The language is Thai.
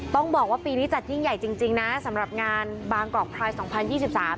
ต้องบอกว่าปีนี้จัดยิ่งใหญ่จริงจริงนะสำหรับงานบางกอกพรายสองพันยี่สิบสาม